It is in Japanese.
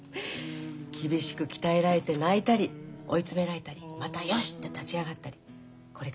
厳しく鍛えられて泣いたり追い詰められたりまた「よしっ！」って立ち上がったりこれからいろいろあると思うの。